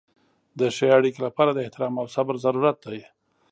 د ښې اړیکې لپاره د احترام او صبر ضرورت دی.